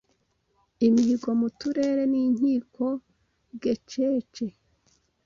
imihigo mu Turere n’Inkiko Gecece.